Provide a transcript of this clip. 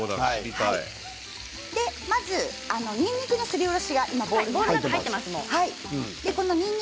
まず、にんにくのすりおろしがボウルの中に入っています。